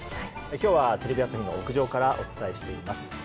今日はテレビ朝日の屋上からお伝えしています。